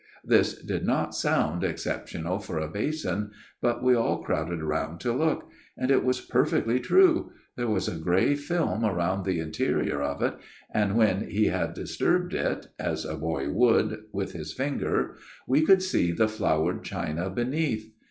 " This did not sound exceptional for a basin, but we all crowded round to look ; and it was perfectly true ; there was a grey film around the interior of it ; and when he had disturbed it (as a boy would) with his finger, we could see the flowered china beneath.